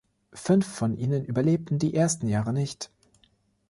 Fünf von ihnen überlebten die ersten Jahre nicht.